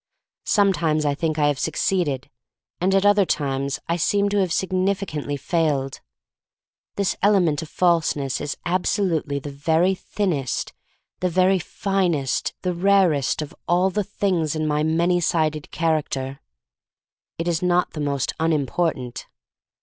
Sometimes I think I ,have succeeded, and at other times I seem to have sig nally failed. This element of falseness is absolutely the very thinnest, the very finest, the rarest of all the things in my many sided character. It is not the most unimportant.